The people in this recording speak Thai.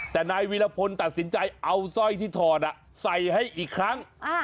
แต่นายวีรพลตัดสินใจเอาสร้อยที่ถอดใส่ให้อีกครั้ง